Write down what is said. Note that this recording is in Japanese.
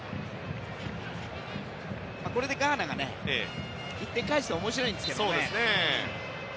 これでガーナが１点返すと面白いんですけどね。